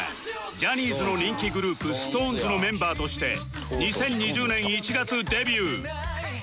ジャニーズの人気グループ ＳｉｘＴＯＮＥＳ のメンバーとして２０２０年１月デビュー